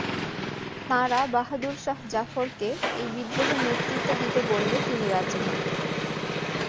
তাঁরা বাহাদুর শাহ জাফরকে এই বিদ্রোহে নেতৃত্ব দিতে বললে তিনি রাজি হন।